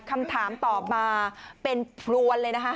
คำถามตอบมาเป็นพลวนเลยนะคะ